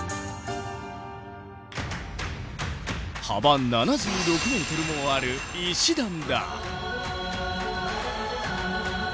幅７６ｍもある石段だ。